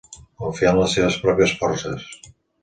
Confiar en les seves pròpies forces.